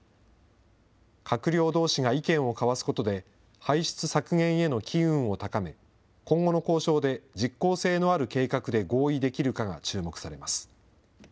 閣僚どうしが意見を交わすことで、排出削減への機運を高め、今後の交渉で実効性のある計画で合意できるかが注目されます。